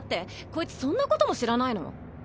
こいつそんなことも知らないの？